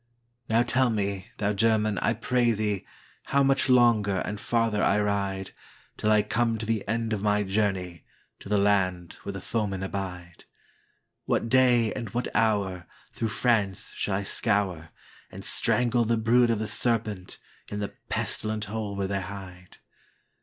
Now tell me, thou German, I pray thee, How much longer and farther I ride, Till I come to the end of my journey, To the land where the foemen abide? What day and what hourThrough France shall I scour, And strangle the brood of the SerpentIn the pestilent hole where they hide?